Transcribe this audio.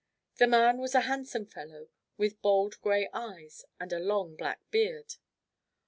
The man was a handsome fellow, with bold grey eyes and a long black beard.